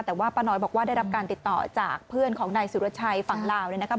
แต่ว่าป้าน้อยบอกว่าได้รับการติดต่อจากเพื่อนของนายสุรชัยฝั่งลาวเนี่ยนะครับ